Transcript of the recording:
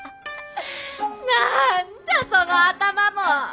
何じゃその頭も。